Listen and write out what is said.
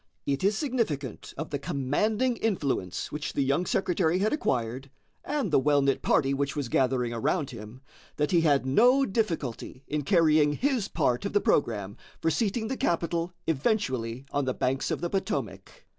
It is significant of the commanding influence which the young secretary had acquired, and the well knit party which was gathering around him, that he had no difficulty in carrying his part of the programme for seating the capital eventually on the banks of the Potomac.